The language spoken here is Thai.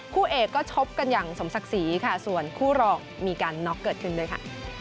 คู่เอกก็ชกกันอย่างสมศักดิ์ศรีค่ะส่วนคู่รองมีการน็อกเกิดขึ้นด้วยค่ะ